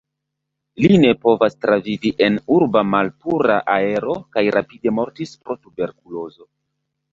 Li ne povas travivi en urba malpura aero kaj rapide mortis pro tuberkulozo.